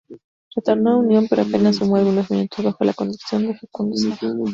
Retornó a Unión pero apenas sumó algunos minutos bajo la conducción de Facundo Sava.